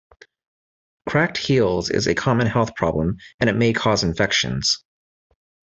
Cracked heels is a common health problem and it may cause infections.